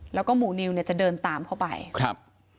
แล้วก็หมู่นิวเนี่ยจะเดินตามเข้าไปครับ